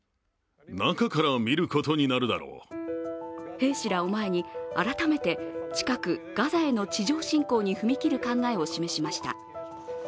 兵士らを前に改めて近く、ガザへの地上侵攻に踏み切る考えを示しました。